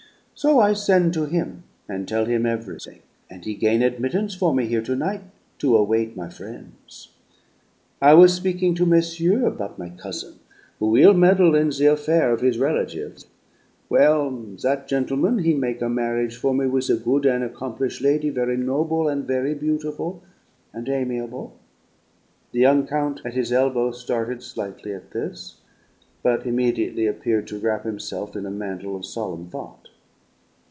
So I sen' to him and tell him ev'rything, and he gain admittance for me here to night to await my frien's. "I was speaking to messieurs about my cousin, who will meddle in the affair' of his relatives. Well, that gentleman, he make a marriage for me with a good and accomplish' lady, very noble and very beautiful and amiable." (The young count at his elbow started slightly at this, but immediately appeared to wrap himself in a mantle of solemn thought.)